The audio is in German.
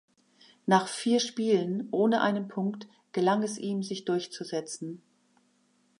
Nach vier Spielen ohne einen Punkt gelang es ihm, sich durchzusetzen.